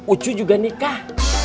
ucu juga nikah